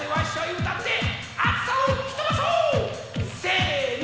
うたってあつさをふきとばそう！せの！